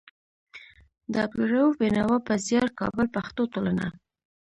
د عبدالروف بېنوا په زيار. کابل: پښتو ټولنه